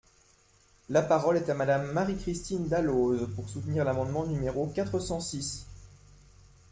La parole est à Madame Marie-Christine Dalloz, pour soutenir l’amendement numéro quatre cent six.